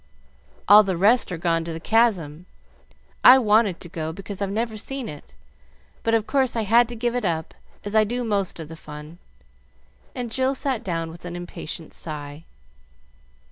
"All the rest are gone to the Chasm. I wanted to go, because I've never seen it; but, of course, I had to give it up, as I do most of the fun;" and Jill sat down with an impatient sigh.